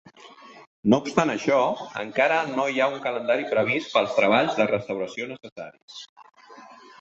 No obstant això, encara no hi ha un calendari previst per als treballs de restauració necessaris.